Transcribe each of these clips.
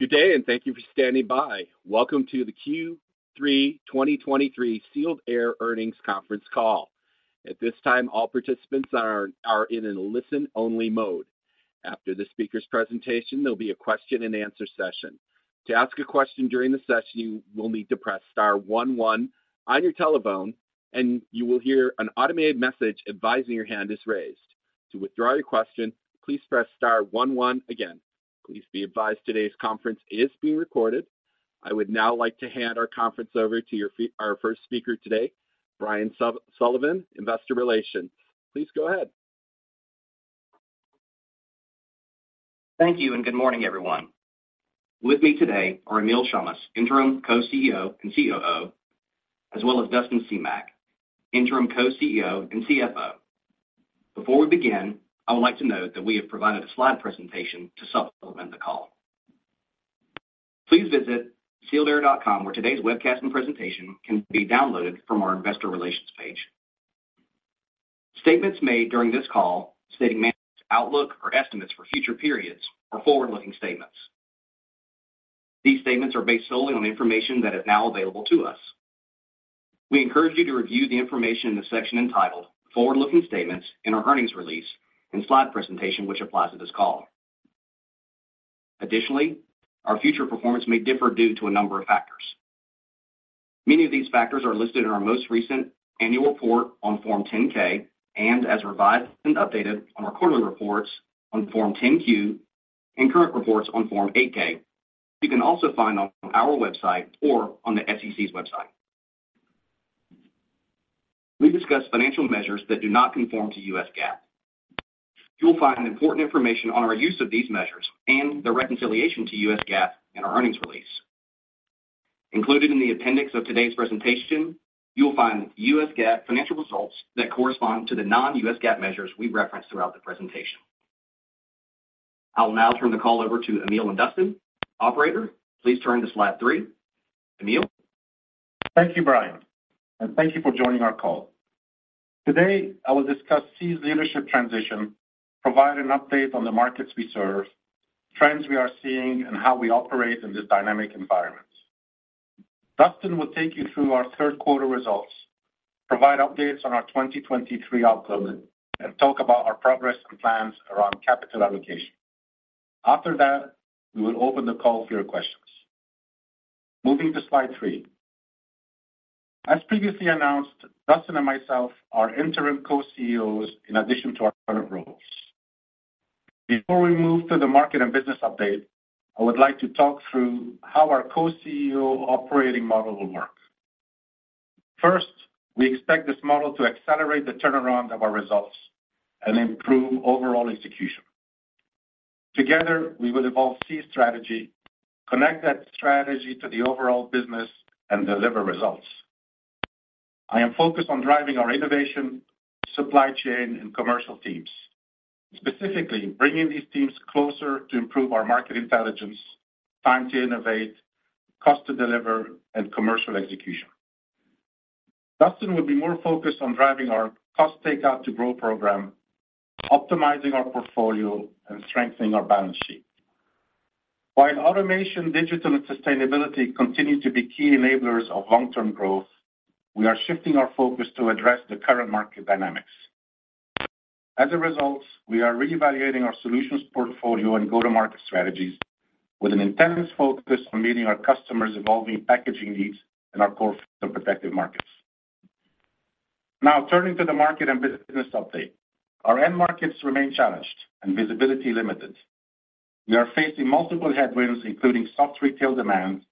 Good day, and thank you for standing by. Welcome to the Q3 2023 Sealed Air Earnings Conference Call. At this time, all participants are in a listen-only mode. After the speaker's presentation, there'll be a question-and-answer session. To ask a question during the session, you will need to press star one one on your telephone, and you will hear an automated message advising your hand is raised. To withdraw your question, please press star one one again. Please be advised today's conference is being recorded. I would now like to hand our conference over to our first speaker today, Brian Sullivan, Investor Relations. Please go ahead. Thank you, and good morning, everyone. With me today are Emile Chammas, Interim Co-CEO and COO, as well as Dustin Semach, Interim Co-CEO and CFO. Before we begin, I would like to note that we have provided a slide presentation to supplement the call. Please visit sealedair.com, where today's webcast and presentation can be downloaded from our investor relations page. Statements made during this call stating management's outlook or estimates for future periods are forward-looking statements. These statements are based solely on the information that is now available to us. We encourage you to review the information in the section entitled Forward-Looking Statements in our earnings release and slide presentation, which applies to this call. Additionally, our future performance may differ due to a number of factors. Many of these factors are listed in our most recent annual report on Form 10-K and as revised and updated on our quarterly reports on Form 10-Q and current reports on Form 8-K. You can also find on our website or on the SEC's website. We discuss financial measures that do not conform to U.S. GAAP. You will find important information on our use of these measures and the reconciliation to U.S. GAAP in our earnings release. Included in the appendix of today's presentation, you will find U.S. GAAP financial results that correspond to the non-U.S. GAAP measures we reference throughout the presentation. I will now turn the call over to Emile and Dustin. Operator, please turn to slide three. Emile? Thank you, Brian, and thank you for joining our call. Today, I will discuss SEE's leadership transition, provide an update on the markets we serve, trends we are seeing, and how we operate in this dynamic environment. Dustin will take you through our third quarter results, provide updates on our 2023 outlook, and talk about our progress and plans around capital allocation. After that, we will open the call for your questions. Moving to slide three. As previously announced, Dustin and myself are interim co-CEOs in addition to our current roles. Before we move to the market and business update, I would like to talk through how our co-CEO operating model will work. First, we expect this model to accelerate the turnaround of our results and improve overall execution. Together, we will evolve SEE's strategy, connect that strategy to the overall business, and deliver results. I am focused on driving our innovation, supply chain, and commercial teams, specifically bringing these teams closer to improve our market intelligence, time to innovate, cost to deliver, and commercial execution. Dustin will be more focused on driving our Cost Take-Out to Grow program, optimizing our portfolio, and strengthening our balance sheet. While automation, digital, and sustainability continue to be key enablers of long-term growth, we are shifting our focus to address the current market dynamics. As a result, we are reevaluating our solutions portfolio and go-to-market strategies with an intense focus on meeting our customers' evolving packaging needs in our Core and Protective markets. Now, turning to the market and business update. Our end markets remain challenged and visibility limited. We are facing multiple headwinds, including soft retail demand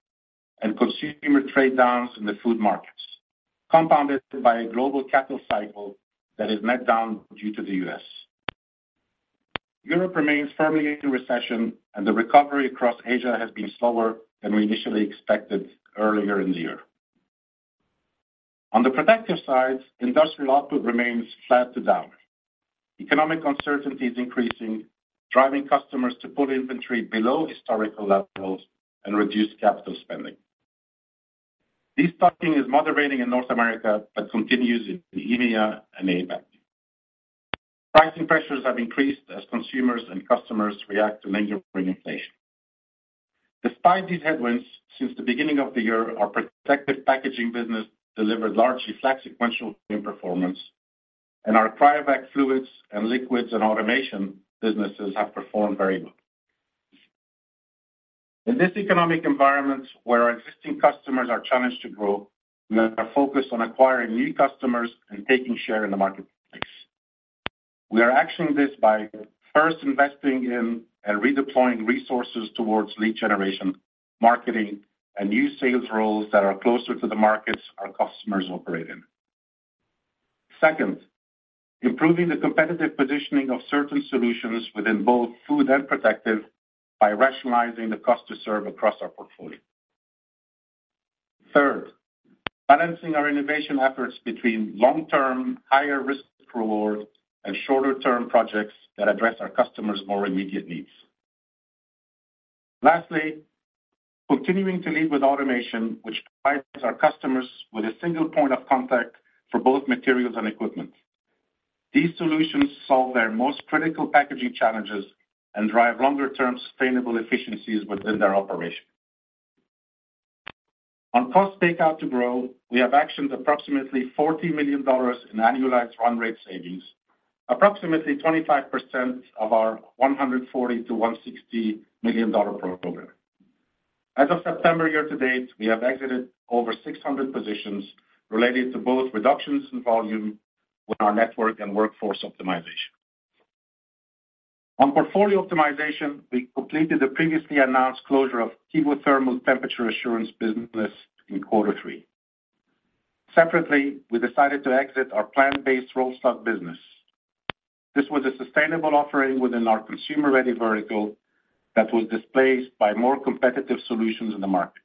and consumer trade downs in the food markets, compounded by a global capital cycle that is net down due to the U.S. Europe remains firmly in recession, and the recovery across Asia has been slower than we initially expected earlier in the year. On the Protective side, industrial output remains flat to down. Economic uncertainty is increasing, driving customers to pull inventory below historical levels and reduce capital spending. This takedown is moderating in North America, but continues in the EMEA and APAC. Pricing pressures have increased as consumers and customers react to lingering inflation. Despite these headwinds, since the beginning of the year, our Protective packaging business delivered largely flat sequential performance, and our Cryovac fluids and liquids and automation businesses have performed very well. In this economic environment, where our existing customers are challenged to grow, we are focused on acquiring new customers and taking share in the marketplace. We are actioning this by first investing in and redeploying resources towards lead generation, marketing, and new sales roles that are closer to the markets our customers operate in. Second, improving the competitive positioning of certain solutions within both food and Protective by rationalizing the cost to serve across our portfolio. Third, balancing our innovation efforts between long-term, higher risk, reward, and shorter-term projects that address our customers' more immediate needs. Lastly, continuing to lead with automation, which provides our customers with a single point of contact for both materials and equipment. These solutions solve their most critical packaging challenges and drive longer-term sustainable efficiencies within their operation. On Cost Take-Out to Grow, we have actioned approximately $40 million in annualized run rate savings, approximately 25% of our $140 million-$160 million program. As of September year-to-date, we have exited over 600 positions related to both reductions in volume with our network and workforce optimization. On portfolio optimization, we completed the previously announced closure of Kevothermal Temperature Assurance business in quarter three. Separately, we decided to exit our Plant-based Rollstock business. This was a sustainable offering within our consumer-ready vertical that was displaced by more competitive solutions in the market.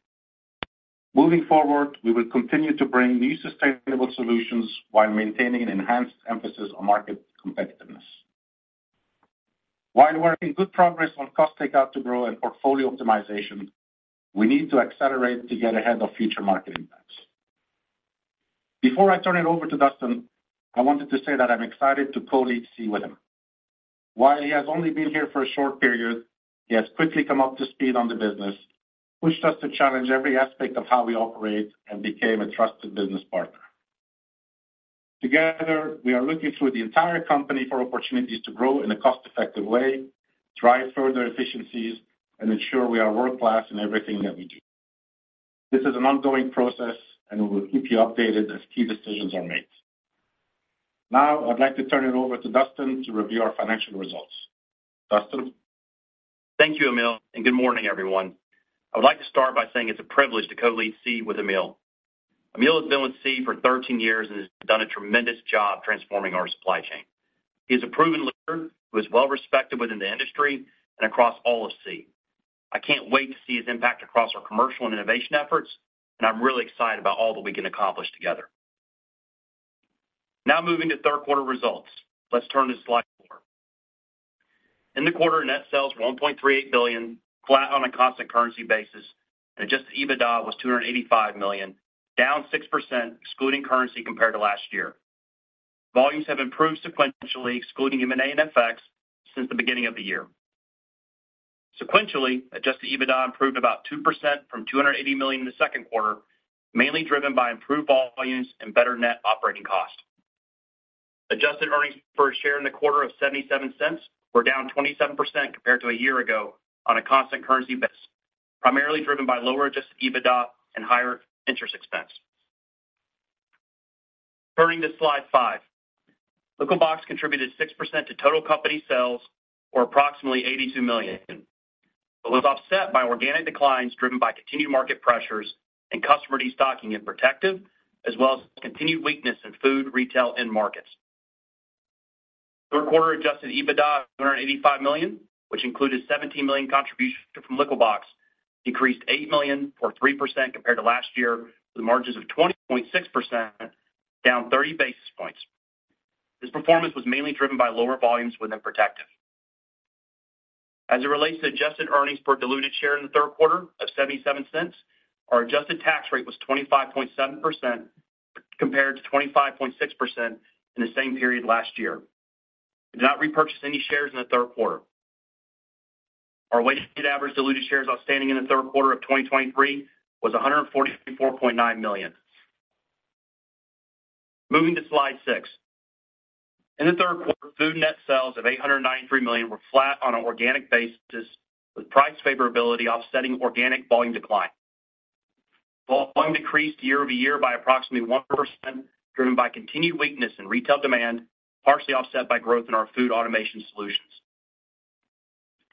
Moving forward, we will continue to bring new sustainable solutions while maintaining an enhanced emphasis on market competitiveness. While we're Cost Take-Out to Grow and portfolio optimization, we need to accelerate to get ahead of future market impacts. Before I turn it over to Dustin, I wanted to say that I'm excited to co-lead SEE with him. While he has only been here for a short period, he has quickly come up to speed on the business, pushed us to challenge every aspect of how we operate, and became a trusted business partner. Together, we are looking through the entire company for opportunities to grow in a cost-effective way, drive further efficiencies, and ensure we are world-class in everything that we do. This is an ongoing process, and we will keep you updated as key decisions are made. Now, I'd like to turn it over to Dustin to review our financial results. Dustin? Thank you, Emile, and good morning, everyone. I would like to start by saying it's a privilege to co-lead SEE with Emile. Emile has been with SEE for 13 years and has done a tremendous job transforming our supply chain. He is a proven leader who is well respected within the industry and across all of SEE. I can't wait to see his impact across our commercial and innovation efforts, and I'm really excited about all that we can accomplish together. Now, moving to third quarter results. Let's turn to slide four. In the quarter, net sales were $1.38 billion, flat on a constant currency basis, and Adjusted EBITDA was $285 million, down 6%, excluding currency compared to last year. Volumes have improved sequentially, excluding M&A and FX, since the beginning of the year. Sequentially, Adjusted EBITDA improved about 2% from $280 million in the second quarter, mainly driven by improved volumes and better net operating costs. Adjusted earnings per share in the quarter of $0.77 were down 27% compared to a year ago on a constant currency basis, primarily driven by lower Adjusted EBITDA and higher interest expense. Turning to slide five, Liquibox contributed 6% to total company sales, or approximately $82 million. It was offset by organic declines driven by continued market pressures and customer destocking in Protective, as well as continued weakness in food, retail, and markets. Third quarter Adjusted EBITDA of $285 million, which included $17 million contribution from Liquibox, decreased $8 million or 3% compared to last year, with margins of 20.6%, down 30 basis points. This performance was mainly driven by lower volumes within Protective. As it relates to adjusted earnings per diluted share of $0.77 in the third quarter, our adjusted tax rate was 25.7%, compared to 25.6% in the same period last year. We did not repurchase any shares in the third quarter. Our weighted average diluted shares outstanding in the third quarter of 2023 was 144.9 million. Moving to slide six. In the third quarter, food net sales of $893 million were flat on an organic basis, with price favorability offsetting organic volume decline. Volume decreased year-over-year by approximately 1%, driven by continued weakness in retail demand, partially offset by growth in our food automation solutions.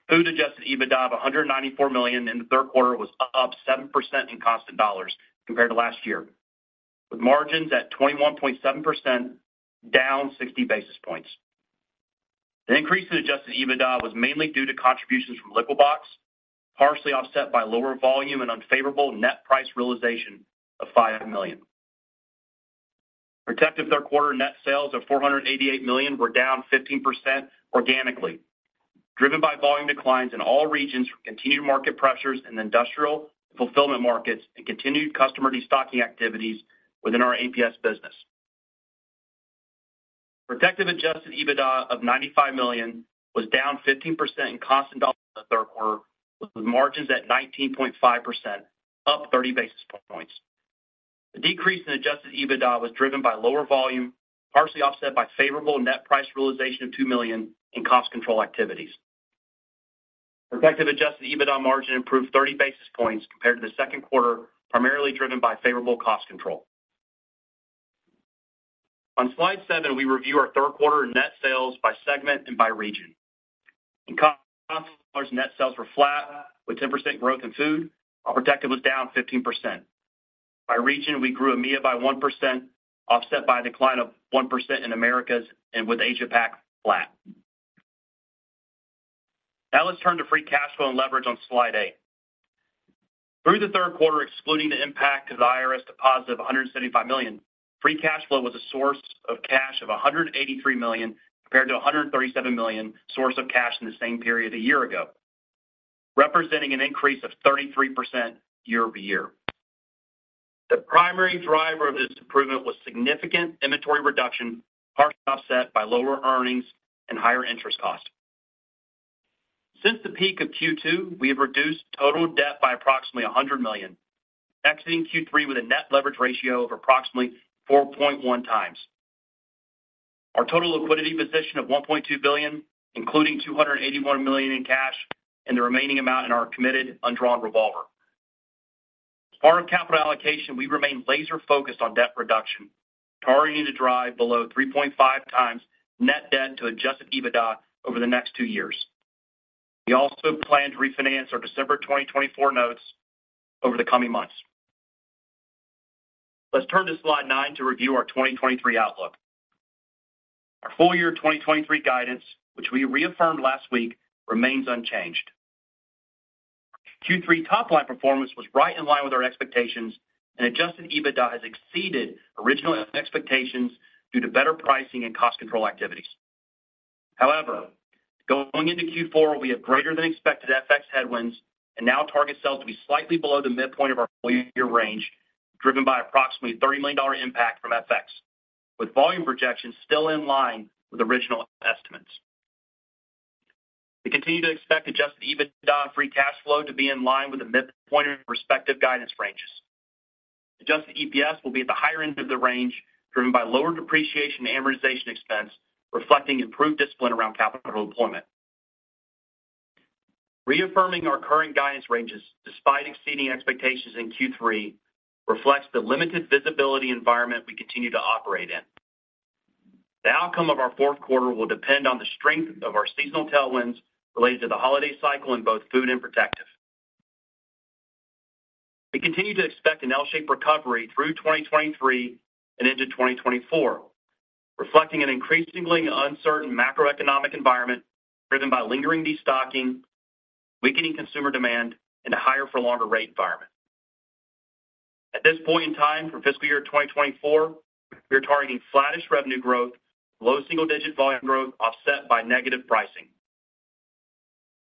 Food Adjusted EBITDA of $194 million in the third quarter was up 7% in constant dollars compared to last year, with margins at 21.7%, down 60 basis points. The increase in Adjusted EBITDA was mainly due to contributions from Liquibox, partially offset by lower volume and unfavorable net price realization of $5 million. Protective third quarter net sales of $488 million were down 15% organically, driven by volume declines in all regions from continued market pressures in industrial fulfillment markets and continued customer destocking activities within our APS business. Protective Adjusted EBITDA of $95 million was down 15% in constant dollars in the third quarter, with margins at 19.5%, up 30 basis points. The decrease in Adjusted EBITDA was driven by lower volume, partially offset by favorable net price realization of $2 million in cost control activities. Protective Adjusted EBITDA margin improved 30 basis points compared to the second quarter, primarily driven by favorable cost control. On slide seven, we review our third quarter net sales by segment and by region. In constant dollars, net sales were flat, with 10% growth in food, while Protective was down 15%. By region, we grew EMEA by 1%, offset by a decline of 1% in Americas and with Asia Pac flat. Now let's turn to Free Cash Flow and leverage on slide eight. Through the third quarter, excluding the impact of the IRS deposit of $175 million, Free Cash Flow was a source of cash of $183 million, compared to a $137 million source of cash in the same period a year ago, representing an increase of 33% year-over-year. The primary driver of this improvement was significant inventory reduction, partially offset by lower earnings and higher interest costs. Since the peak of Q2, we have reduced total debt by approximately $100 million, exiting Q3 with a net leverage ratio of approximately 4.1x. Our total liquidity position of $1.2 billion, including $281 million in cash, and the remaining amount in our committed undrawn revolver. As part of capital allocation, we remain laser-focused on debt reduction, targeting to drive below 3.5x net debt to Adjusted EBITDA over the next two years. We also plan to refinance our December 2024 notes over the coming months. Let's turn to slide nine to review our 2023 outlook. Our full-year 2023 guidance, which we reaffirmed last week, remains unchanged. Q3 top-line performance was right in line with our expectations, and Adjusted EBITDA has exceeded original expectations due to better pricing and cost control activities. However, going into Q4, we have greater than expected FX headwinds and now target sales to be slightly below the midpoint of our full-year range, driven by approximately $30 million impact from FX, with volume projections still in line with original estimates. We continue to expect Adjusted EBITDA and Free Cash Flow to be in line with the midpoint of respective guidance ranges. Adjusted EPS will be at the higher end of the range, driven by lower depreciation and amortization expense, reflecting improved discipline around capital employment. Reaffirming our current guidance ranges, despite exceeding expectations in Q3, reflects the limited visibility environment we continue to operate in. The outcome of our fourth quarter will depend on the strength of our seasonal tailwinds related to the holiday cycle in both food and Protective. We continue to expect an L-shaped recovery through 2023 and into 2024, reflecting an increasingly uncertain macroeconomic environment driven by lingering destocking, weakening consumer demand, and a higher for longer rate environment. At this point in time, for fiscal year 2024, we are targeting flattish revenue growth, low single-digit volume growth offset by negative pricing.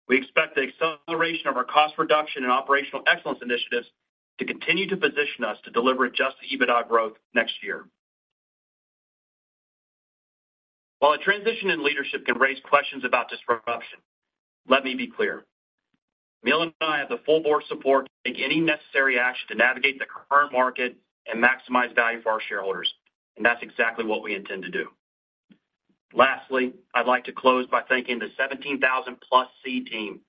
We expect the acceleration of our cost reduction and operational excellence initiatives to continue to position us to deliver Adjusted EBITDA growth next year. While a transition in leadership can raise questions about disruption, let me be clear: Emile and I have the full board support to take any necessary action to navigate the current market and maximize value for our shareholders, and that's exactly what we intend to do. Lastly, I'd like to close by thanking the 17,000+ SEE team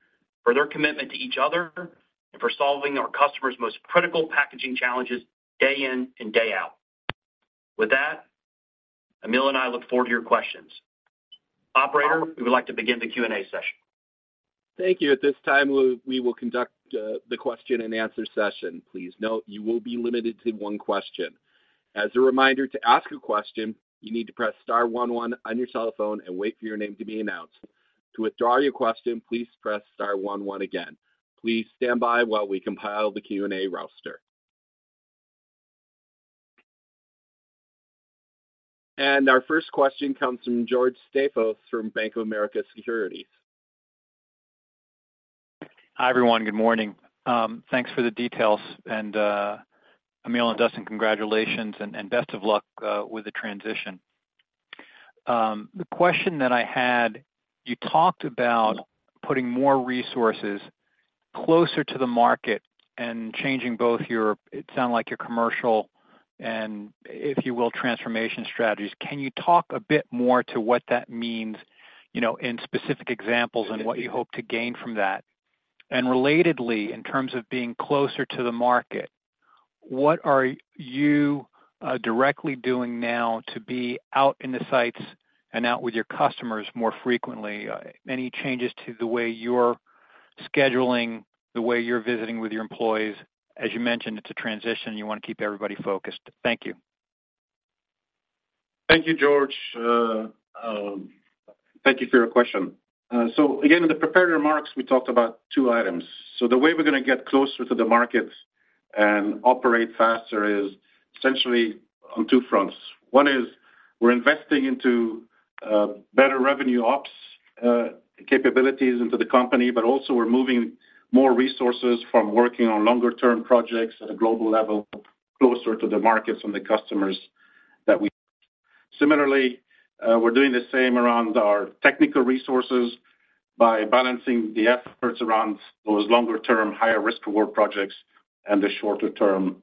for their commitment to each other and for solving our customers' most critical packaging challenges day in and day out. With that, Emile and I look forward to your questions. Operator, we would like to begin the Q&A session. Thank you. At this time, we will conduct the question-and-answer session. Please note, you will be limited to one question. As a reminder, to ask a question, you need to press star one one on your telephone and wait for your name to be announced. To withdraw your question, please press star one one again. Please stand by while we compile the Q&A roster. Our first question comes from George Staphos from Bank of America Securities. Hi, everyone. Good morning. Thanks for the details, and, Emile and Dustin, congratulations and best of luck with the transition. The question that I had, you talked about putting more resources closer to the market and changing both your, it sounded like your commercial and, if you will, transformation strategies. Can you talk a bit more to what that means, you know, in specific examples and what you hope to gain from that? And relatedly, in terms of being closer to the market, what are you directly doing now to be out in the sites and out with your customers more frequently? Any changes to the way you're scheduling, the way you're visiting with your employees? As you mentioned, it's a transition. You want to keep everybody focused. Thank you. Thank you, George. Thank you for your question. So again, in the prepared remarks, we talked about two items. So the way we're gonna get closer to the markets and operate faster is essentially on two fronts. One is we're investing into better revenue ops capabilities into the company, but also we're moving more resources from working on longer-term projects at a global level, closer to the markets and the customers that we, similarly, we're doing the same around our technical resources by balancing the efforts around those longer-term, higher risk award projects and the shorter-term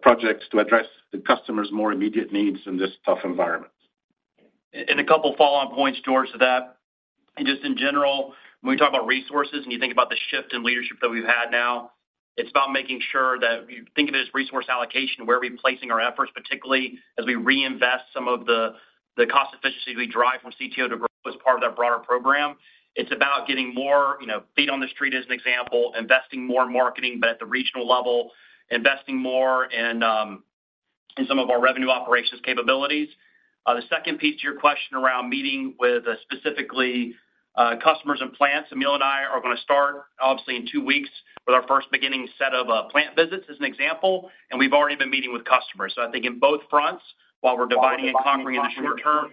projects to address the customer's more immediate needs in this tough environment. And a couple follow-on points, George, to that. Just in general, when we talk about resources and you think about the shift in leadership that we've had now, it's about making sure that you think of it as resource allocation, where are we placing our efforts, particularly as we reinvest some of the cost efficiency we derive from CTO to Grow as part of that broader program. It's about getting more, you know, feet on the street, as an example, investing more in marketing, but at the regional level, investing more in some of our revenue operations capabilities. The second piece to your question around meeting with specifically customers and plants, Emile and I are gonna start, obviously, in two weeks with our first beginning set of plant visits, as an example, and we've already been meeting with customers. So I think in both fronts, while we're dividing and conquering in the short term.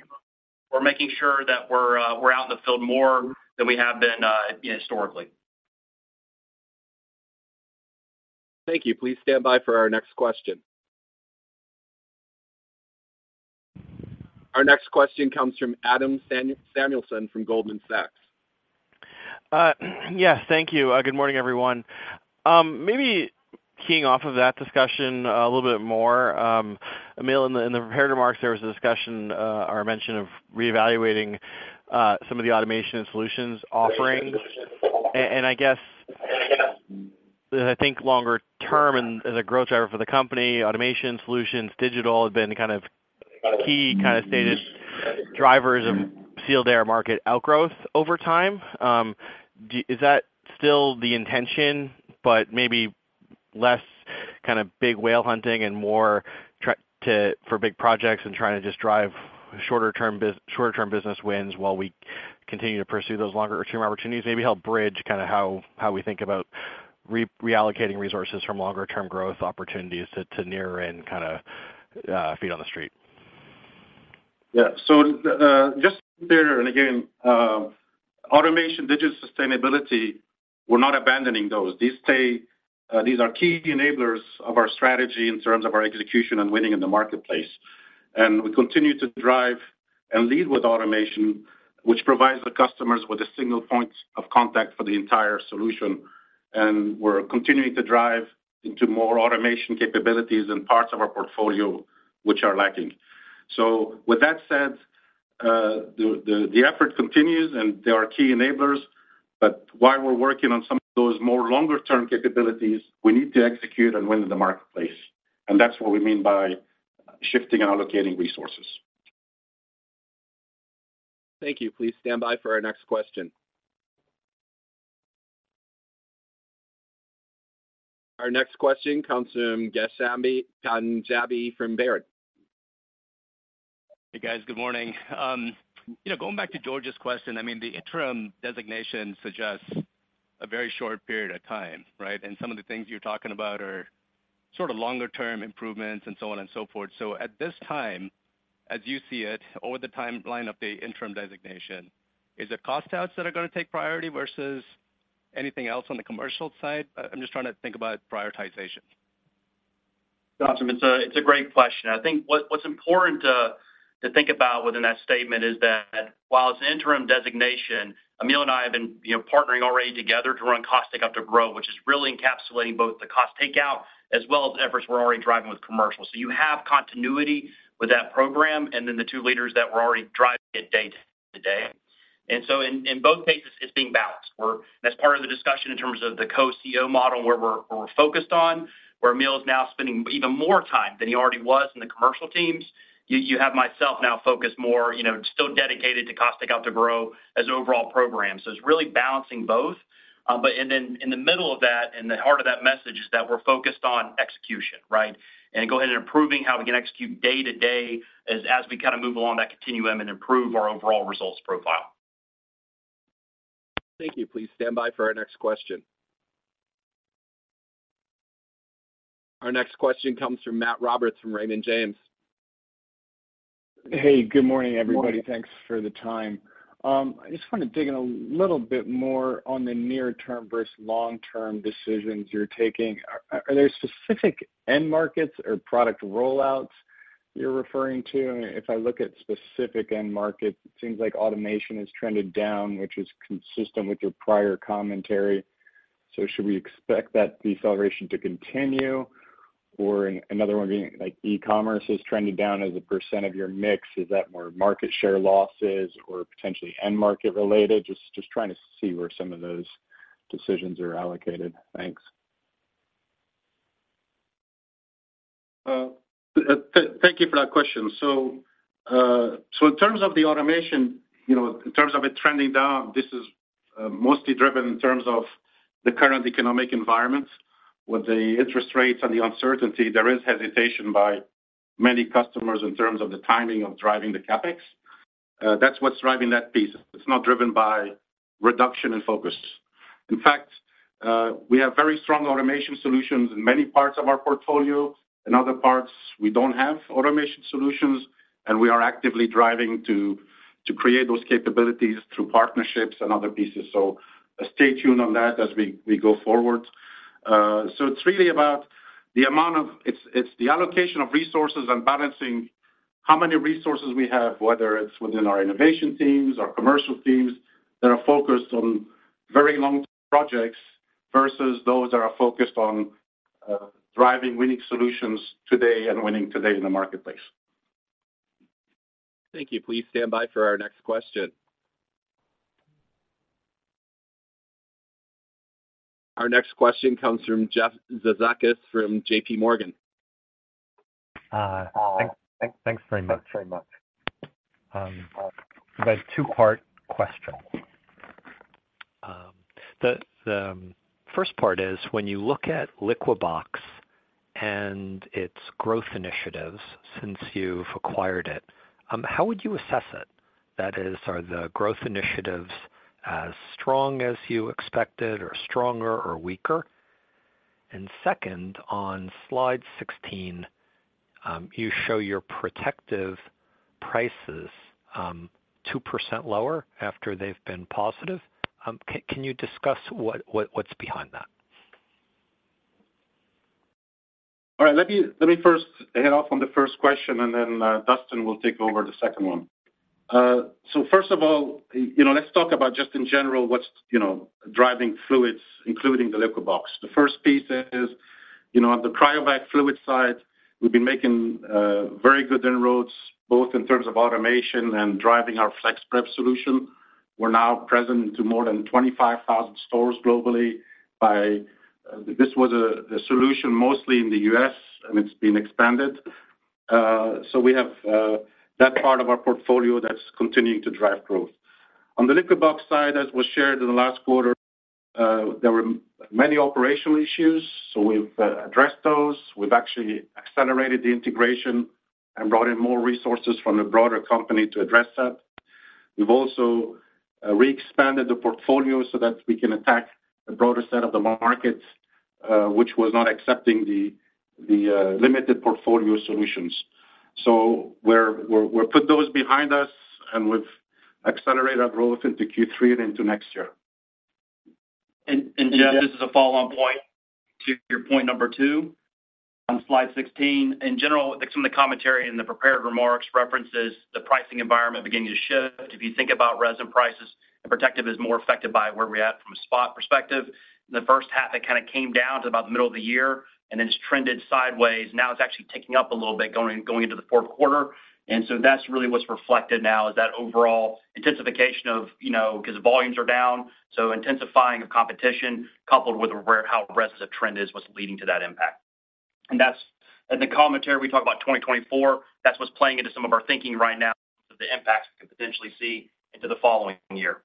We're making sure that we're out in the field more than we have been historically. Thank you. Please stand by for our next question. Our next question comes from Adam Samuelson from Goldman Sachs. Yes, thank you. Good morning, everyone. Maybe keying off of that discussion a little bit more, Emile, in the prepared remarks, there was a discussion or a mention of reevaluating some of the automation and solutions offerings. And I guess, I think longer term and as a growth driver for the company, automation, solutions, digital have been kind of key, kind of, status drivers of Sealed Air market outgrowth over time. Is that still the intention, but maybe less kind of big whale hunting and more try to for big projects and trying to just drive shorter-term business wins while we continue to pursue those longer-term opportunities? Maybe help bridge kind of how we think about reallocating resources from longer-term growth opportunities to near-term kind of feet on the street. Yeah. So, just there, and again, automation, digital sustainability, we're not abandoning those. These stay, these are key enablers of our strategy in terms of our execution and winning in the marketplace. And we continue to drive and lead with automation, which provides the customers with a single point of contact for the entire solution, and we're continuing to drive into more automation capabilities in parts of our portfolio, which are lacking. So with that said, the effort continues and there are key enablers, but while we're working on some of those more longer-term capabilities, we need to execute and win in the marketplace, and that's what we mean by shifting and allocating resources. Thank you. Please stand by for our next question. Our next question comes from Ghansham Panjabi from Baird. Hey, guys, good morning. You know, going back to George's question, I mean, the interim designation suggests a very short period of time, right? And some of the things you're talking about are sort of longer-term improvements and so on and so forth. So at this time, as you see it, over the timeline of the interim designation, is it cost outs that are gonna take priority versus anything else on the commercial side? I'm just trying to think about prioritization. Gotcha. It's a, it's a great question. I think what, what's important, to think about within that statement is that while it's interim designation, Emile and I have been, you know, partnering already together to run Cost Take-Out to Grow, which is really encapsulating both the Cost Take-Out as well as efforts we're already driving with commercial. So you have continuity with that program, and then the two leaders that we're already driving it day-to-day. And so in, in both cases, it's being balanced. We're. As part of the discussion in terms of the co-CEO model, where we're, we're focused on, where Emile is now spending even more time than he already was in the commercial teams. You, you have myself now focused more, you know, still dedicated to Cost Take-Out to Grow as overall program. So it's really balancing both. in the middle of that, and the heart of that message, is that we're focused on execution, right? And go ahead and improving how we can execute day-to-day as we kind of move along that continuum and improve our overall results profile. Thank you. Please stand by for our next question. Our next question comes from Matt Roberts, from Raymond James. Hey, good morning, everybody. Good morning. Thanks for the time. I just want to dig in a little bit more on the near-term versus long-term decisions you're taking. Are there specific end markets or product rollouts you're referring to? If I look at specific end markets, it seems like automation has trended down, which is consistent with your prior commentary. So should we expect that deceleration to continue? Or another one being, like, e-commerce is trending down as a percent of your mix. Is that more market share losses or potentially end market related? Just trying to see where some of those decisions are allocated. Thanks. Thank you for that question. So, so in terms of the automation, you know, in terms of it trending down, this is, mostly driven in terms of the current economic environment. With the interest rates and the uncertainty, there is hesitation by many customers in terms of the timing of driving the CapEx. That's what's driving that piece. It's not driven by reduction in focus. In fact, we have very strong automation solutions in many parts of our portfolio. In other parts, we don't have automation solutions, and we are actively driving to create those capabilities through partnerships and other pieces. So stay tuned on that as we go forward. So it's really about the allocation of resources and balancing how many resources we have, whether it's within our innovation teams or commercial teams, that are focused on very long projects, versus those that are focused on driving winning solutions today and winning today in the marketplace. Thank you. Please stand by for our next question. Our next question comes from Jeff Zekauskas from JPMorgan. Uh, thanks very much. I have a two-part question. The first part is, when you look at Liquibox and its growth initiatives since you've acquired it, how would you assess it? That is, are the growth initiatives as strong as you expected or stronger or weaker? And second, on slide 16, you show your Protective prices, 2% lower after they've been positive. Can you discuss what's behind that? All right, let me, let me first hit off on the first question, and then Dustin will take over the second one. So first of all, you know, let's talk about just in general, what's, you know, driving fluids, including the Liquibox. The first piece is, you know, on the Cryovac fluid side, we've been making very good inroads, both in terms of automation and driving our FlexPrep solution. We're now present into more than 25,000 stores globally. By—this was a solution mostly in the U.S., and it's been expanded. So we have that part of our portfolio that's continuing to drive growth. On the Liquibox side, as was shared in the last quarter, there were many operational issues, so we've addressed those. We've actually accelerated the integration and brought in more resources from the broader company to address that. We've also reexpanded the portfolio so that we can attack a broader set of the markets, which was not accepting the limited portfolio solutions. So we're put those behind us, and we've accelerated our growth into Q3 and into next year. Jeff, this is a follow-on point to your point number two on slide 16. In general, some of the commentary in the prepared remarks references the pricing environment beginning to shift. If you think about resin prices, and Protective is more affected by where we're at from a spot perspective. In the first half, it kind of came down to about the middle of the year and then it's trended sideways. Now it's actually ticking up a little bit, going into the fourth quarter. And so that's really what's reflected now, is that overall intensification of, you know, because the volumes are down, so intensifying of competition, coupled with where how aggressive the trend is, what's leading to that impact. And that's in the commentary, we talk about 2024. That's what's playing into some of our thinking right now, so the impacts we could potentially see into the following year.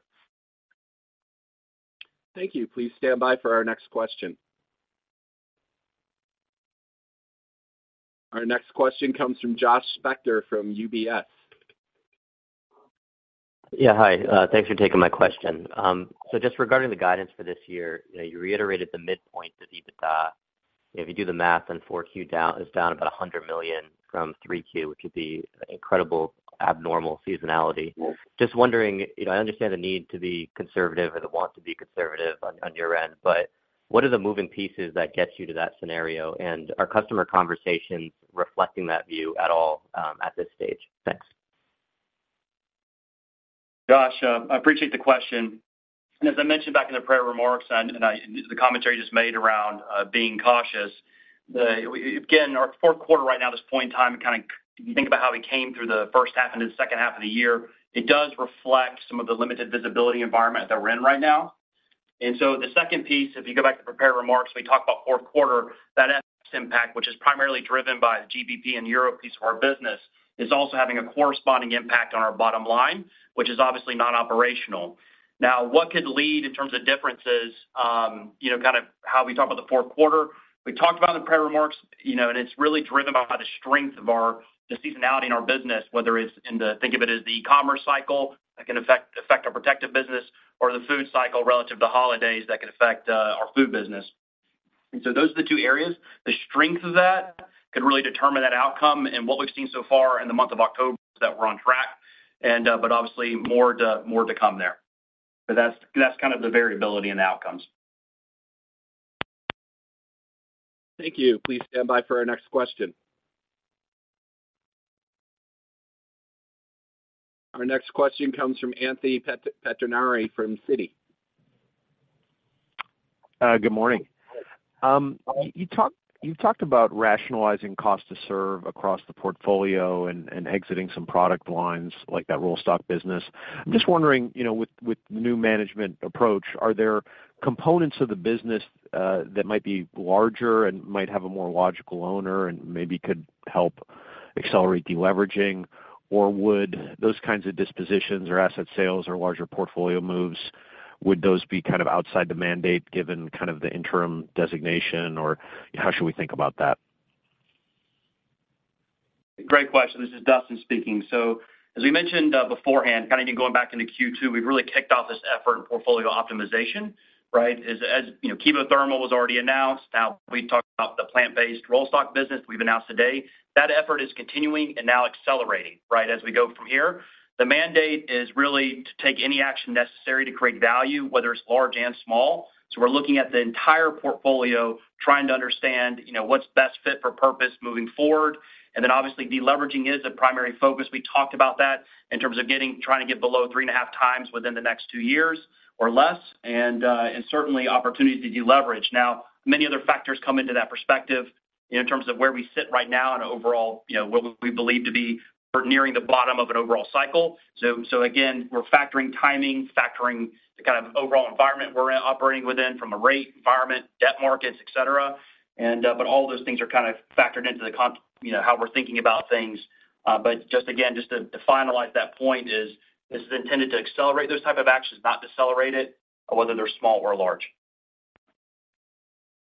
Thank you. Please stand by for our next question. Our next question comes from Josh Spector from UBS. Yeah, hi. Thanks for taking my question. So just regarding the guidance for this year, you know, you reiterated the midpoint of EBITDA. If you do the math, then 4Q down is down about $100 million from 3Q, which would be incredible, abnormal seasonality. Just wondering, you know, I understand the need to be conservative or the want to be conservative on, on your end, but what are the moving pieces that gets you to that scenario? And are customer conversations reflecting that view at all, at this stage? Thanks. Josh, I appreciate the question. And as I mentioned back in the prepared remarks, the commentary just made around being cautious, again, our fourth quarter right now, this point in time, and kind of you think about how we came through the first half into the second half of the year, it does reflect some of the limited visibility environment that we're in right now. And so the second piece, if you go back to prepared remarks, we talked about fourth quarter, that impact, which is primarily driven by the GBP and Europe piece of our business, is also having a corresponding impact on our bottom line, which is obviously non-operational. Now, what could lead in terms of differences, you know, kind of how we talk about the fourth quarter? We talked about in the prepared remarks, you know, and it's really driven by the strength of our the seasonality in our business, whether it's in the, think of it as the e-commerce cycle, that can affect our Protective business or the food cycle relative to holidays that could affect our food business. And so those are the two areas. The strength of that could really determine that outcome. And what we've seen so far in the month of October is that we're on track and, but obviously, more to come there. But that's kind of the variability in the outcomes. Thank you. Please stand by for our next question. Our next question comes from Anthony Pettinari from Citi. Good morning. You talked, you talked about rationalizing cost to serve across the portfolio and, and exiting some product lines like that Rollstock business. I'm just wondering, you know, with, with the new management approach, are there components of the business, that might be larger and might have a more logical owner and maybe could help accelerate deleveraging? Or would those kinds of dispositions or asset sales or larger portfolio moves, would those be kind of outside the mandate, given kind of the interim designation, or how should we think about that? Great question. This is Dustin speaking. So as we mentioned beforehand, kind of even going back into Q2, we've really kicked off this effort in portfolio optimization, right? As, as you know, Kevothermal was already announced. Now, we talked about the Plant-based Rollstock business we've announced today. That effort is continuing and now accelerating, right, as we go from here. The mandate is really to take any action necessary to create value, whether it's large and small. So we're looking at the entire portfolio, trying to understand, you know, what's best fit for purpose moving forward. And then obviously, deleveraging is a primary focus. We talked about that in terms of getting, trying to get below 3.5x within the next two years or less, and and certainly opportunities to deleverage. Now, many other factors come into that perspective in terms of where we sit right now and overall, you know, what we believe to be nearing the bottom of an overall cycle. So again, we're factoring timing, factoring the kind of overall environment we're operating within from a rate environment, debt markets, etc. But all those things are kind of factored into, you know, how we're thinking about things. But just again to finalize that point, this is intended to accelerate those type of actions, not decelerate it, whether they're small or large.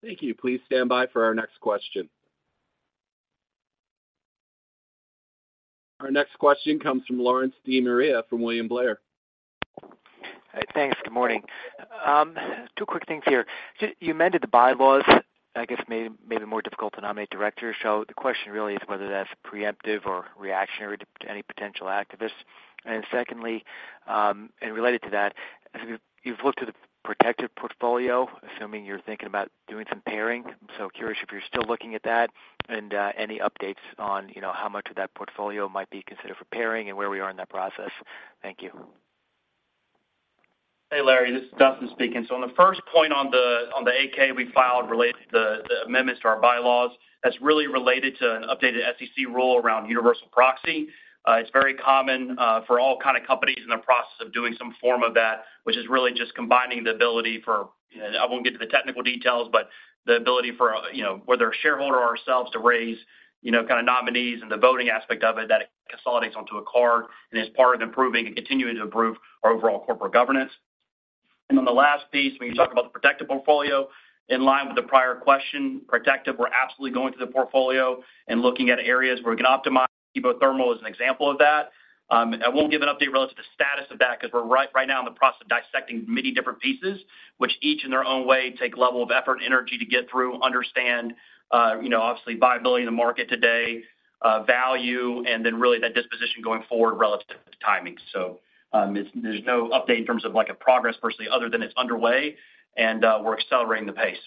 Thank you. Please stand by for our next question. Our next question comes from Larry De Maria from William Blair. Thanks. Good morning. Two quick things here. You amended the bylaws, I guess, made it more difficult to nominate directors. So the question really is whether that's preemptive or reactionary to any potential activists. And secondly, and related to that, you've looked at the protective portfolio, assuming you're thinking about doing some paring. So curious if you're still looking at that, and any updates on, you know, how much of that portfolio might be considered for paring and where we are in that process? Thank you. Hey, Larry, this is Dustin speaking. So on the first point on the, on the 8-K we filed related to the, the amendments to our bylaws, that's really related to an updated SEC rule around universal proxy. It's very common for all kind of companies in the process of doing some form of that, which is really just combining the ability for—I won't get to the technical details, but the ability for, you know, whether a shareholder or ourselves to raise, you know, kind of nominees and the voting aspect of it, that it consolidates onto a card and is part of improving and continuing to improve our overall corporate governance. And then the last piece, when you talk about the Protective portfolio, in line with the prior question, Protective, we're absolutely going through the portfolio and looking at areas where we can optimize. Kevothermal is an example of that. I won't give an update relative to the status of that because we're right now in the process of dissecting many different pieces, which each in their own way take level of effort and energy to get through, understand, you know, obviously, viability in the market today, value, and then really that disposition going forward relative to timing. So, there's no update in terms of, like, a progress versus other than it's underway, and we're accelerating the pace.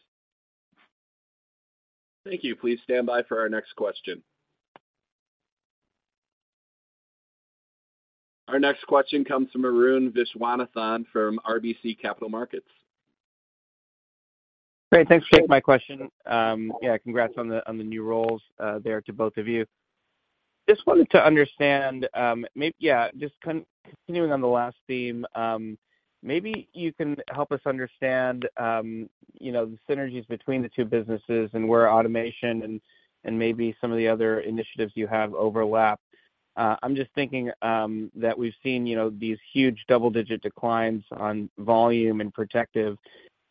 Thank you. Please stand by for our next question. Our next question comes from Arun Viswanathan from RBC Capital Markets. Great. Thanks for taking my question. Yeah, congrats on the, on the new roles, there to both of you. Just wanted to understand, yeah, just continuing on the last theme, maybe you can help us understand, you know, the synergies between the two businesses and where automation and, and maybe some of the other initiatives you have overlap. I'm just thinking, that we've seen, you know, these huge double-digit declines on volume and Protective.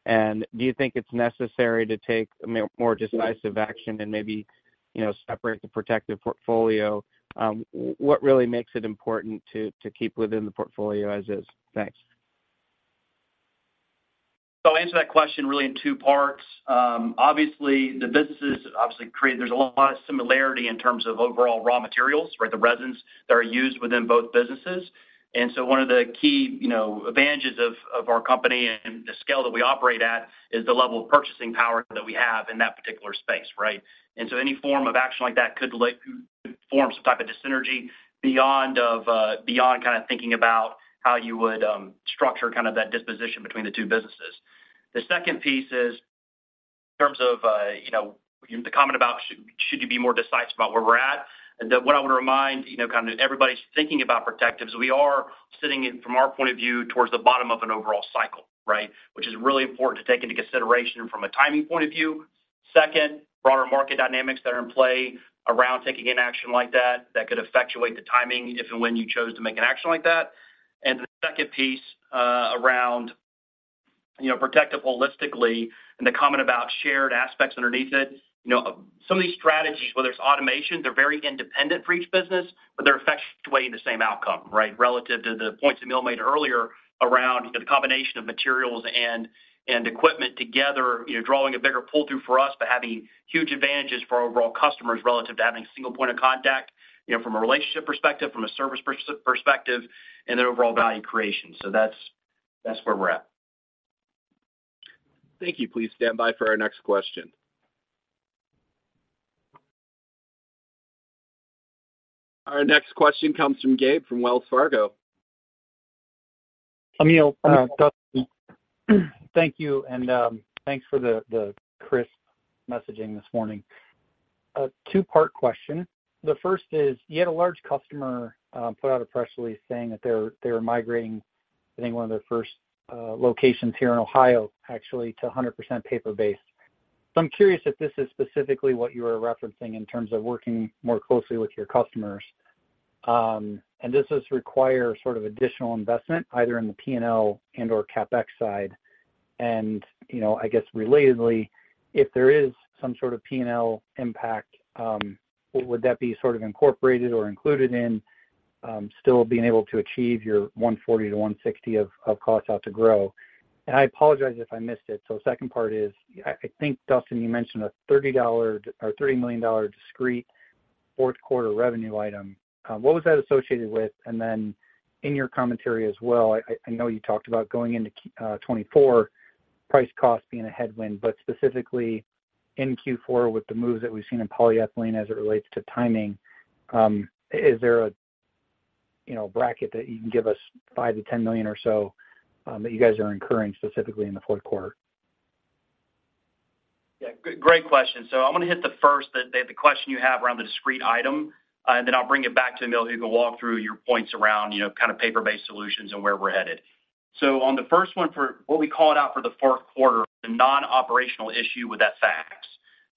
And do you think it's necessary to take, I mean, more decisive action and maybe, you know, separate the Protective portfolio? What really makes it important to, to keep within the portfolio as is? Thanks. So I'll answer that question really in two parts. Obviously, the businesses obviously create—there's a lot of similarity in terms of overall raw materials, right? The resins that are used within both businesses. And so one of the key, you know, advantages of our company and the scale that we operate at is the level of purchasing power that we have in that particular space, right? And so any form of action like that could lead, form some type of dyssynergy beyond, beyond kind of thinking about how you would structure kind of that disposition between the two businesses. The second piece is in terms of, you know, the comment about should you be more decisive about where we're at? And what I want to remind, you know, kind of everybody's thinking about Protective, is we are sitting in, from our point of view, towards the bottom of an overall cycle, right? Which is really important to take into consideration from a timing point of view. Second, broader market dynamics that are in play around taking an action like that, that could effectuate the timing, if and when you chose to make an action like that. And the second piece, around, you know, Protective holistically and the comment about shared aspects underneath it. You know, some of these strategies, whether it's automation, they're very independent for each business, but they're effectuating the same outcome, right? Relative to the points Emile made earlier around the combination of materials and equipment together, you know, drawing a bigger pull-through for us, but having huge advantages for our overall customers relative to having a single point of contact, you know, from a relationship perspective, from a service perspective, and then overall value creation. So that's where we're at. Thank you. Please stand by for our next question. Our next question comes from Gabe, from Wells Fargo. Emile, Dustin, thank you, and, thanks for the, the crisp messaging this morning. A two-part question. The first is: you had a large customer, put out a press release saying that they're, they're migrating, I think, one of their first, locations here in Ohio, actually, to 100% paper-based. So I'm curious if this is specifically what you are referencing in terms of working more closely with your customers. And does this require sort of additional investment, either in the P&L and/or CapEx side? And, you know, I guess, relatedly, if there is some sort of P&L impact, would that be sort of incorporated or included in, still being able to achieve your $140-$160 of, of Cost Out to Grow? And I apologize if I missed it. So the second part is, I think, Dustin, you mentioned a $30 million discrete fourth quarter revenue item. What was that associated with? And then in your commentary as well, I know you talked about going into 2024, price cost being a headwind, but specifically in Q4, with the moves that we've seen in polyethylene as it relates to timing, is there a, you know, bracket that you can give us $5 million-$10 million or so, that you guys are incurring specifically in the fourth quarter? Yeah, great question. So I'm going to hit the first, the question you have around the discrete item, and then I'll bring it back to Emile, who can walk through your points around, you know, kind of paper-based solutions and where we're headed. So on the first one, for what we call it out for the fourth quarter, a non-operational issue with FX.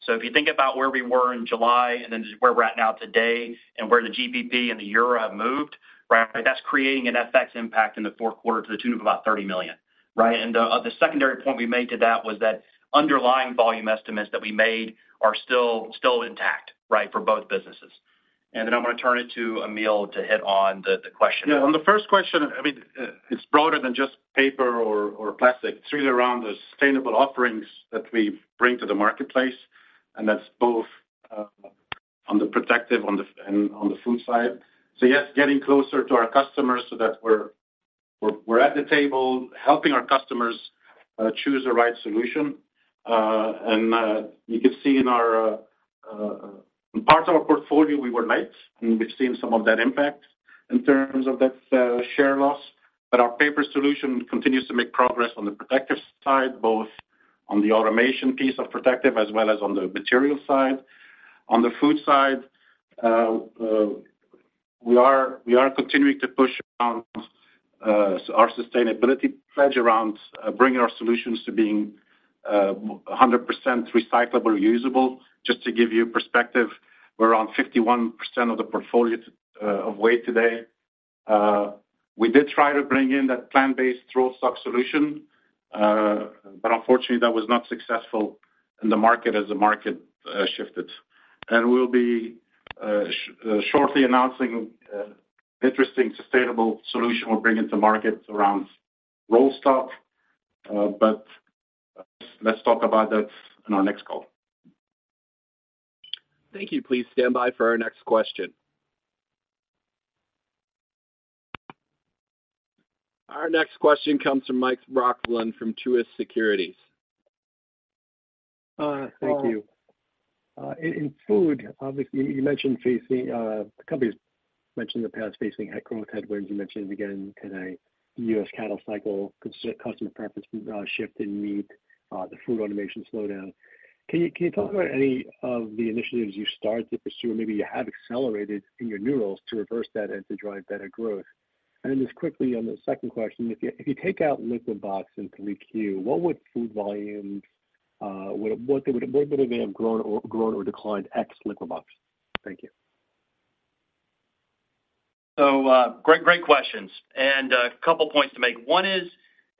So if you think about where we were in July and then just where we're at now today and where the GBP and the Euro have moved, right? That's creating an FX impact in the fourth quarter to the tune of about $30 million. Right, and the secondary point we made to that was that underlying volume estimates that we made are still intact, right, for both businesses. I'm going to turn it to Emile to hit on the question. Yeah, on the first question, I mean, it's broader than just paper or plastic. It's really around the sustainable offerings that we bring to the marketplace, and that's both on the Protective and on the food side. So yes, getting closer to our customers so that we're at the table, helping our customers choose the right solution. And you can see in parts of our portfolio, we were late, and we've seen some of that impact in terms of that share loss. But our paper solution continues to make progress on the Protective side, both on the automation piece of Protective as well as on the material side. On the food side, we are continuing to push on our sustainability pledge around bringing our solutions to being 100% recyclable, usable. Just to give you perspective, we're on 51% of the portfolio of weight today. We did try to bring in that Plant-based Rollstock solution, but unfortunately, that was not successful in the market as the market shifted. And we'll be shortly announcing interesting sustainable solution we're bringing to market around Rollstock, but let's talk about that in our next call. Thank you. Please stand by for our next question. Our next question comes from Mike Roxland from Truist Securities. Thank you. In food, obviously, you mentioned facing growth headwinds. You mentioned it again today, U.S. cattle cycle, customer preference shift in meat, the food automation slowdown. Can you talk about any of the initiatives you started to pursue, or maybe you have accelerated in your new deals to reverse that and to drive better growth? And then just quickly on the second question, if you take out Liquibox in Q3, what would food volumes, what would they have grown or declined ex-Liquibox? Thank you. So, great, great questions, and a couple points to make. One is,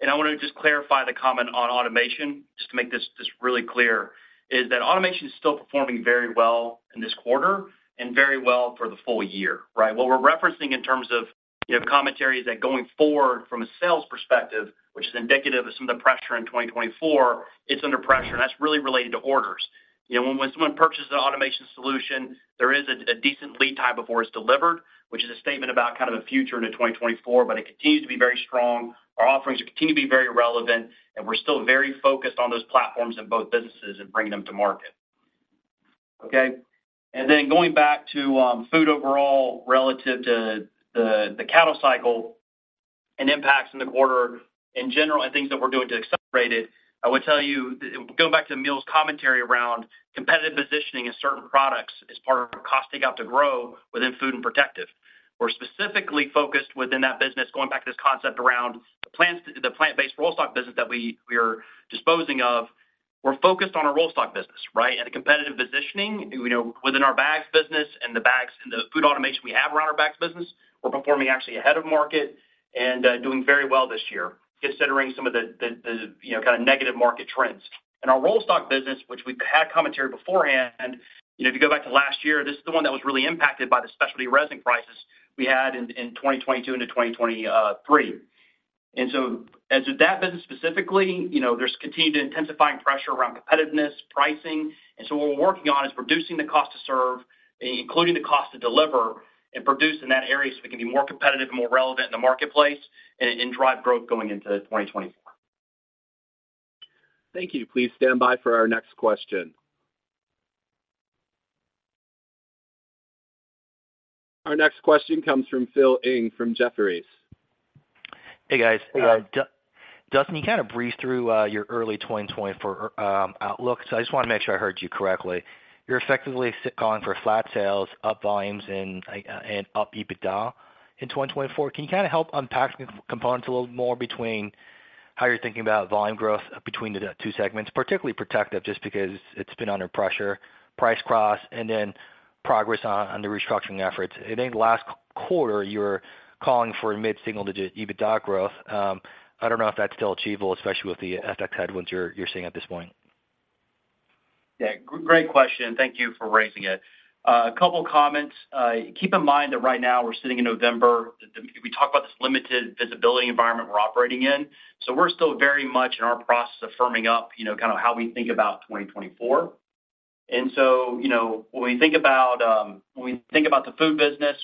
and I want to just clarify the comment on automation, just to make this really clear, is that automation is still performing very well in this quarter and very well for the full year, right? What we're referencing in terms of, you know, commentary is that going forward from a sales perspective, which is indicative of some of the pressure in 2024, it's under pressure, and that's really related to orders. You know, when someone purchases an automation solution, there is a decent lead time before it's delivered, which is a statement about kind of the future into 2024, but it continues to be very strong. Our offerings continue to be very relevant, and we're still very focused on those platforms in both businesses and bringing them to market. Okay, and then going back to food overall, relative to the cattle cycle and impacts in the quarter in general, and things that we're doing to accelerate it. I would tell you, going back to Emile's commentary around competitive positioning in certain products as part of our CTO to Grow within food and Protective. We're specifically focused within that business, going back to this concept around the Plant-based Rollstock business that we are disposing of. We're focused on our Rollstock business, right? And the competitive positioning, you know, within our bags business and the bags and the food automation we have around our bags business, we're performing actually ahead of market and doing very well this year, considering some of the you know, kind of negative market trends. And our Rollstock business, which we've had commentary beforehand, you know, if you go back to last year, this is the one that was really impacted by the specialty resin prices we had in 2022 into 2023. And so as with that business specifically, you know, there's continued intensifying pressure around competitiveness, pricing, and so what we're working on is reducing the cost to serve, including the cost to deliver and produce in that area, so we can be more competitive and more relevant in the marketplace and drive growth going into 2024. Thank you. Please stand by for our next question. Our next question comes from Phil Ng from Jefferies. Hey, guys. Hey, guys. Dustin, you kind of breezed through your early 2024 outlook, so I just want to make sure I heard you correctly. You're effectively calling for flat sales, up volumes, and up EBITDA in 2024. Can you kind of help unpack the components a little more between how you're thinking about volume growth between the two segments, particularly Protective, just because it's been under pressure, price cross, and then progress on the restructuring efforts? I think last quarter you were calling for a mid-single-digit EBITDA growth. I don't know if that's still achievable, especially with the FX headwinds you're seeing at this point. Yeah, great question. Thank you for raising it. A couple of comments. Keep in mind that right now we're sitting in November. We talked about this limited visibility environment we're operating in, so we're still very much in our process of firming up, you know, kind of how we think about 2024. And so, you know, when we think about, when we think about the food business,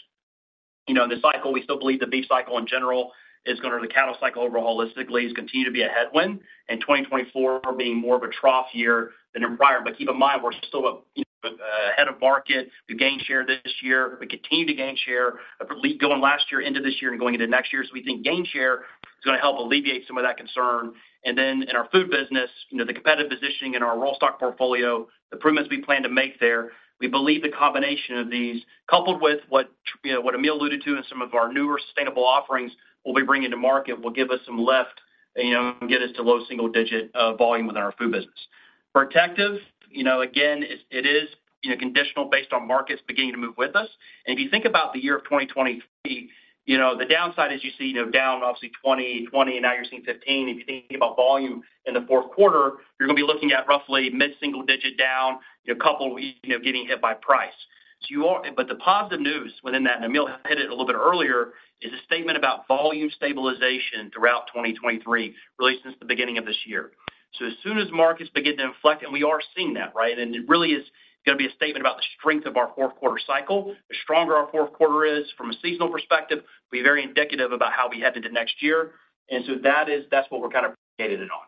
you know, the cycle, we still believe the beef cycle in general is going to... The cattle cycle overall, holistically, is continue to be a headwind, and 2024 being more of a trough year than in prior. But keep in mind, we're still, you know, ahead of market. We've gained share this year. We continue to gain share, I believe, going last year into this year and going into next year. So we think gain share is going to help alleviate some of that concern. And then in our food business, you know, the competitive positioning in our Rollstock portfolio, the improvements we plan to make there, we believe the combination of these, coupled with what, you know, what Emile alluded to in some of our newer sustainable offerings we'll be bringing to market, will give us some lift, you know, and get us to low single digit volume within our food business. Protective, you know, again, it, it is, you know, conditional based on markets beginning to move with us. And if you think about the year of 2023, you know, the downside is you see, you know, down obviously 2020, and now you're seeing 15. If you think about volume in the fourth quarter, you're gonna be looking at roughly mid-single-digit down, you know, a couple, you know, getting hit by price. So you are, but the positive news within that, and Emile hit it a little bit earlier, is a statement about volume stabilization throughout 2023, really since the beginning of this year. So as soon as markets begin to inflect, and we are seeing that, right? And it really is gonna be a statement about the strength of our fourth quarter cycle. The stronger our fourth quarter is from a seasonal perspective, will be very indicative about how we head into next year. And so that is, that's what we're kind of focused it on.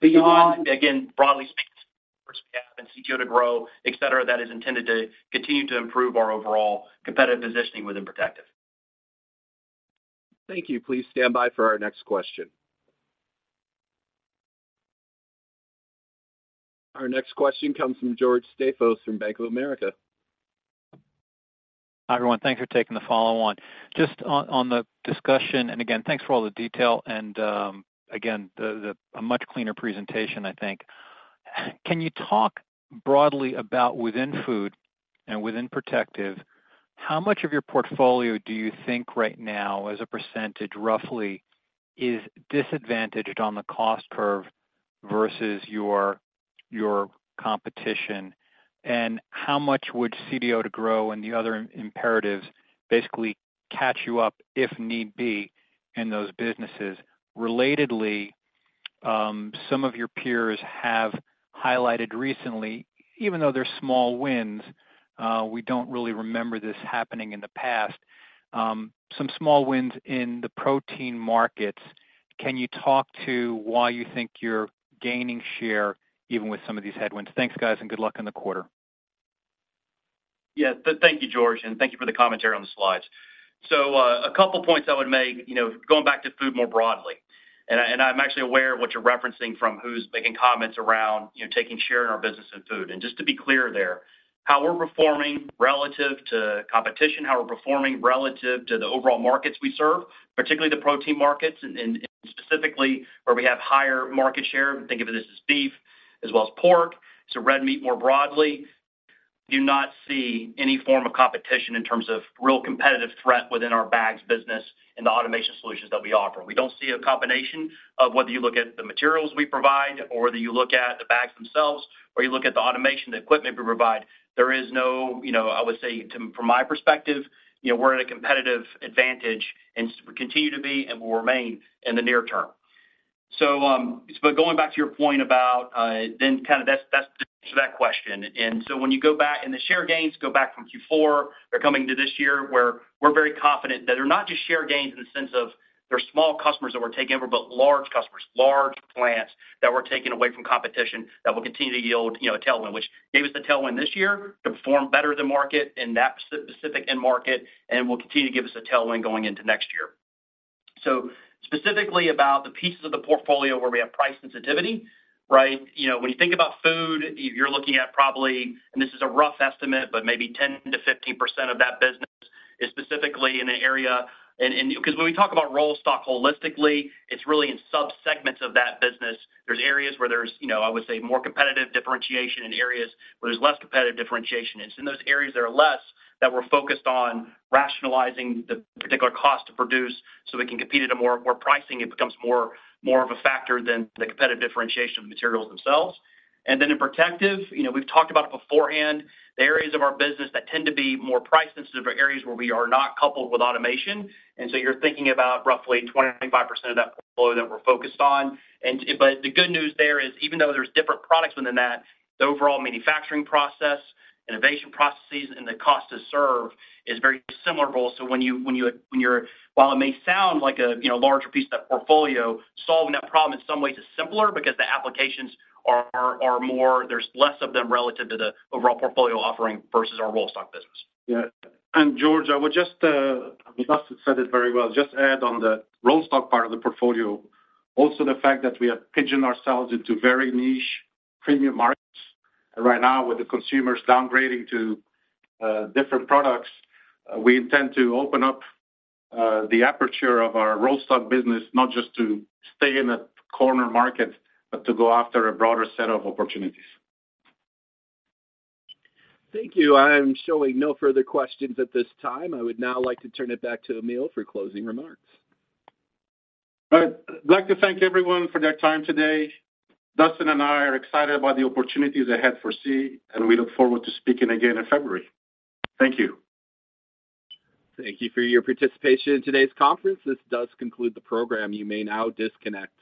Beyond, again, broadly speaking, and CTO to Grow, etc., that is intended to continue to improve our overall competitive positioning within Protective. Thank you. Please stand by for our next question. Our next question comes from George Staphos from Bank of America. Hi, everyone. Thanks for taking the follow on. Just on the discussion, and again, thanks for all the detail and again, a much cleaner presentation, I think. Can you talk broadly about within Food and within Protective, how much of your portfolio do you think right now, as a percentage, roughly, is disadvantaged on the cost curve versus your competition? And how much would CTO to Grow and the other imperatives basically catch you up, if need be, in those businesses? Relatedly, some of your peers have highlighted recently, even though they're small wins, we don't really remember this happening in the past, some small wins in the protein markets. Can you talk to why you think you're gaining share even with some of these headwinds? Thanks, guys, and good luck on the quarter. Yeah. Thank you, George, and thank you for the commentary on the slides. So, a couple points I would make, you know, going back to food more broadly, and I, and I'm actually aware of what you're referencing from who's making comments around, you know, taking share in our business in food. And just to be clear there, how we're performing relative to competition, how we're performing relative to the overall markets we serve, particularly the protein markets and, and specifically where we have higher market share, think of it as beef as well as pork, so red meat more broadly, do not see any form of competition in terms of real competitive threat within our bags business and the automation solutions that we offer. We don't see a combination of whether you look at the materials we provide or whether you look at the bags themselves or you look at the automation, the equipment we provide. There is no, you know. I would say, from my perspective, you know, we're at a competitive advantage and continue to be and will remain in the near term. So, but going back to your point about, then kind of that's the answer to that question. And so when you go back and the share gains go back from Q4, they're coming to this year, where we're very confident that they're not just share gains in the sense of they're small customers that we're taking over, but large customers, large plants that we're taking away from competition that will continue to yield, you know, a tailwind, which gave us the tailwind this year to perform better than market in that specific end market and will continue to give us a tailwind going into next year. So specifically about the pieces of the portfolio where we have price sensitivity, right? You know, when you think about food, you're looking at probably, and this is a rough estimate, but maybe 10%-15% of that business is specifically in the area. Because when we talk about Rollstock holistically, it's really in subsegments of that business. There are areas where there's, you know, I would say, more competitive differentiation and areas where there's less competitive differentiation. It's in those areas that are less that we're focused on rationalizing the particular cost to produce, so we can compete at a more pricing. It becomes more of a factor than the competitive differentiation of the materials themselves. And then in Protective, you know, we've talked about beforehand, the areas of our business that tend to be more price sensitive are areas where we are not coupled with automation. And so you're thinking about roughly 25% of that portfolio that we're focused on. The good news there is, even though there's different products within that, the overall manufacturing process, innovation processes, and the cost to serve is very similar roll. So when you're—while it may sound like a, you know, larger piece of that portfolio, solving that problem in some ways is simpler because the applications are more—there's less of them relative to the overall portfolio offering versus our Rollstock business. Yeah, and George, I would just Dustin said it very well. Just add on the Rollstock part of the portfolio. Also, the fact that we have pigeonholed ourselves into very niche premium markets right now with the consumers downgrading to different products, we intend to open up the aperture of our Rollstock business, not just to stay in a corner market, but to go after a broader set of opportunities. Thank you. I am showing no further questions at this time. I would now like to turn it back to Emile for closing remarks. I'd like to thank everyone for their time today. Dustin and I are excited about the opportunities ahead for SEE, and we look forward to speaking again in February. Thank you. Thank you for your participation in today's conference. This does conclude the program. You may now disconnect.